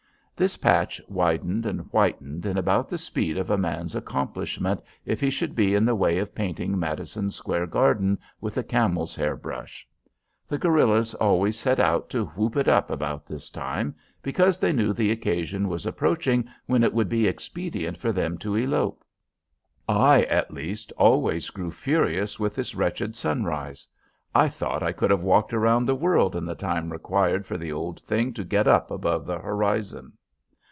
This patch widened and whitened in about the speed of a man's accomplishment if he should be in the way of painting Madison Square Garden with a camel's hair brush. The guerillas always set out to whoop it up about this time, because they knew the occasion was approaching when it would be expedient for them to elope. I, at least, always grew furious with this wretched sunrise. I thought I could have walked around the world in the time required for the old thing to get up above the horizon.